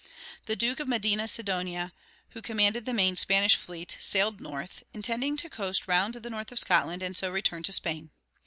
The Duke of Medina Sidonia, who commanded the main Spanish fleet, sailed north, intending to coast round the north of Scotland and so return to Spain.